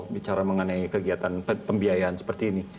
bicara mengenai kegiatan pembiayaan seperti ini